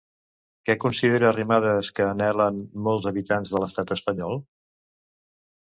Què considera Arrimadas que anhelen molts habitants de l'estat espanyol?